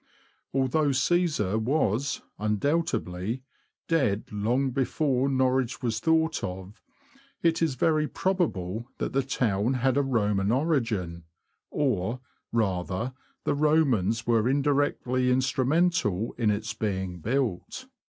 Although Caesar was, undoubtedly, dead long before Norwich was thought of, it is very probable that the town had a Roman origin, or, rather, the Romans were indirectly instrumental in its being built.